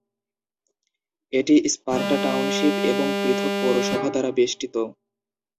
এটি Sparta township, একটি পৃথক পৌরসভা দ্বারা বেষ্টিত।